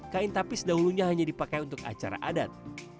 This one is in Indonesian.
kain tapis dahulunya hanya dipakai untuk acara adat